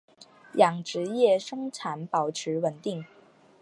养殖业生产保持稳定。